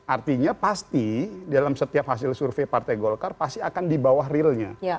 artinya pasti dalam setiap hasil survei partai golkar pasti akan di bawah realnya